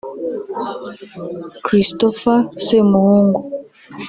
Christopher Semuhungu